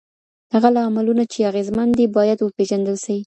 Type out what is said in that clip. هغه لاملونه چې اغیزمن دي باید وپیژندل سي.